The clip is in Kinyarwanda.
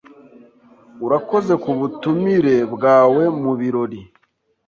Urakoze kubutumire bwawe mubirori.